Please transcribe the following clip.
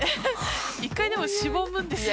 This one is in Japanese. １回でもしぼむんですね。